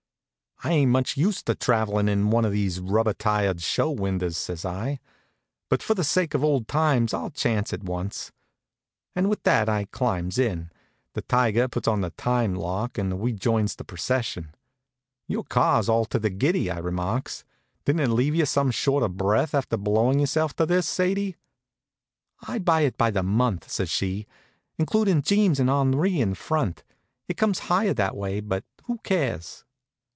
"I ain't much used to traveling in one of these rubber tired show windows," says I; "but for the sake of old times I'll chance it once," and with that I climbs in; the tiger puts on the time lock, and we joins the procession. "Your car's all to the giddy," I remarks. "Didn't it leave you some short of breath after blowin' yourself to this, Sadie?" "I buy it by the month," says she, "including Jeems and Henri in front. It comes higher that way; but who cares?"